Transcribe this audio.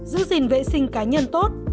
giữ gìn vệ sinh cá nhân tốt